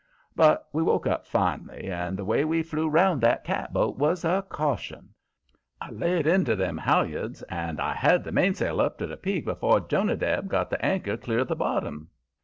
But we woke up fin'lly, and the way we flew round that catboat was a caution. I laid into them halyards, and I had the mainsail up to the peak afore Jonadab got the anchor clear of the bottom.